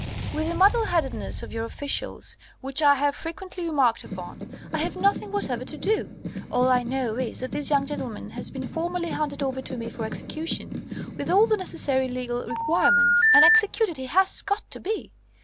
With the muddleheadedness of your officials (which I have frequently remarked upon) I have nothing whatever to do. All I know is, that this young gentleman has been formally handed over to me for execution, with all the necessary legal requirements; and executed he has got to be.